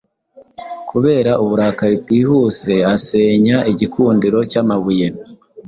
kubera uburakari bwihuseasenya igikundiro cyamabuye